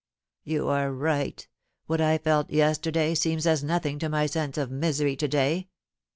"You are right; what I felt yesterday seems as nothing to my sense of misery to day."